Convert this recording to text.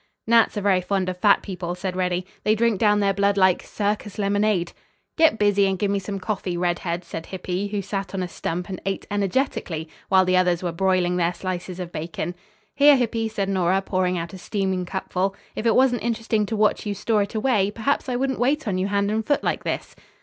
"Gnats are very fond of fat people," said Reddy. "They drink down their blood like circus lemonade." "Get busy and give me some coffee, Red head," said Hippy, who sat on a stump and ate energetically, while the others were broiling their slices of bacon. "Here, Hippy," said Nora, pouring out a steaming cupful, "if it wasn't interesting to watch you store it away, perhaps I wouldn't wait on you hand and foot like this."